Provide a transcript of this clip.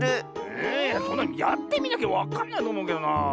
えそんなのやってみなきゃわかんないとおもうけどなあ。